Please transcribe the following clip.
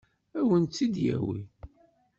Ad wen-tt-id-yawi?